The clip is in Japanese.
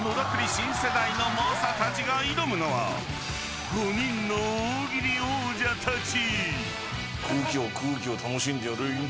新世代の猛者たちが挑むのは５人の大喜利王者たち］